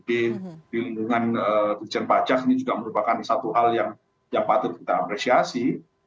di lingkungan pajak ini juga merupakan satu hal yang patut kita apresiasi